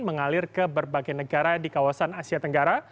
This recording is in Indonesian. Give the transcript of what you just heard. mengalir ke berbagai negara di kawasan asia tenggara